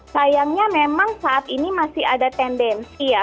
sayangnya memang saat ini masih ada tendensi ya